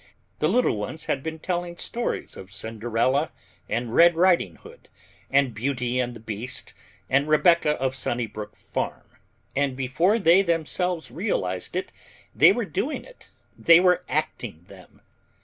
The little ones had been telling stories of Cinderella and Red Riding Hood and Beauty and the Beast and Rebecca of Sunnybrook Farm, and before they themselves realized that they were doing it, they were acting them.